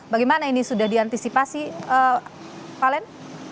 bagaimana ini sudah diantisipasi valen